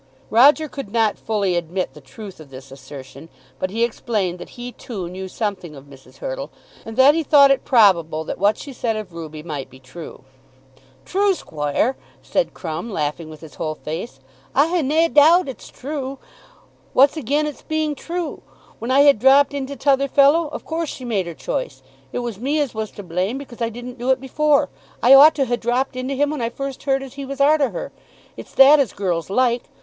Roger could not fully admit the truth of this assertion; but he explained that he, too, knew something of Mrs. Hurtle, and that he thought it probable that what she said of Ruby might be true. "True, squoire!" said Crumb, laughing with his whole face. "I ha' nae a doubt it's true. What's again its being true? When I had dropped into t'other fellow, of course she made her choice. It was me as was to blame, because I didn't do it before. I ought to ha' dropped into him when I first heard as he was arter her. It's that as girls like.